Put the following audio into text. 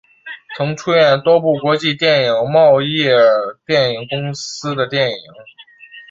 曾演出多部国际电影懋业电影公司的电影。